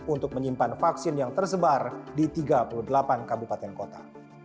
untuk menyimpan vaksin yang tersebar di tiga puluh delapan kabupaten kota